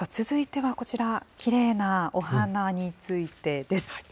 続いてはこちら、きれいなお花についてです。